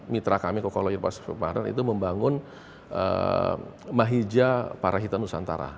mitra kami coca cola yerba seperti paharan itu membangun mahija para hitam nusantara